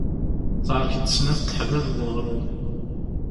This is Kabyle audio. Teɛrek-d snat teḥbal n weɣrum.